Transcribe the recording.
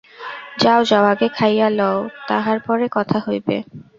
যাও যাও, আগে খাইয়া লও, তাহার পরে কথা হইবে।